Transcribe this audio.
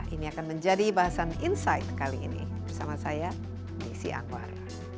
ini akan menjadi bahasan insight kali ini bersama saya desi anwar